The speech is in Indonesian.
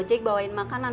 gimana pria sekarang